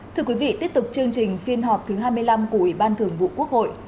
thưa quý vị tiếp tục chương trình phiên họp thứ hai mươi năm của ủy ban thường vụ quốc hội